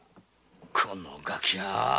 このガキ！